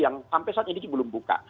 yang sampai saat ini belum buka